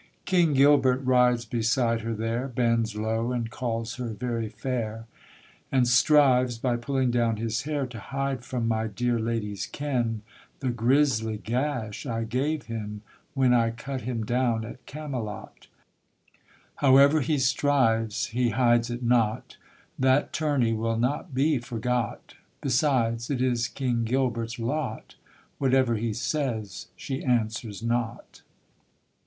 King Guilbert rides beside her there, Bends low and calls her very fair, And strives, by pulling down his hair, To hide from my dear lady's ken The grisly gash I gave him, when I cut him down at Camelot; However he strives, he hides it not, That tourney will not be forgot, Besides, it is King Guilbert's lot, Whatever he says she answers not.